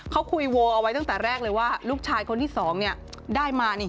เขาคุยโวเอาไว้ตั้งแต่แรกเลยว่าลูกชายคนที่๒ได้มานี่